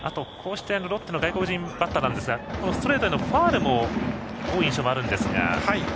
ロッテの外国人バッターはストレートへのファウルも多い印象があるんですが。